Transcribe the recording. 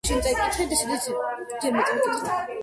იგი მიჩნეულია შივას ყველაზე ერთგულ თაყვანისმცემლად.